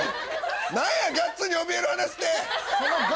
何や⁉ガッツにおびえる話って！